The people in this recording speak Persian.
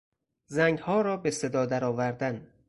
زنگها را به صدا درآوردن